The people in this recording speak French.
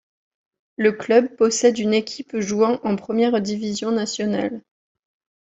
Le club possède une équipe jouant en première division nationale.